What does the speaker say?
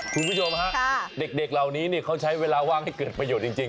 คุณผู้ชมฮะเด็กเหล่านี้เขาใช้เวลาว่างให้เกิดประโยชน์จริง